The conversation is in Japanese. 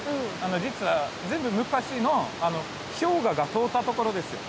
実は随分昔の氷河が通ったところですよ。